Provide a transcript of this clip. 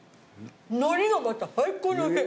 のりがまた最高においしい。